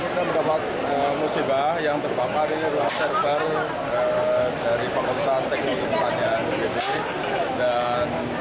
kita mendapat musibah yang terbakar di ruang server dari paku paku teknik pemadam